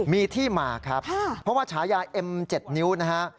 มีที่มาครับเพราะว่าฉายาเอ็ม๗นิ้วนะฮะ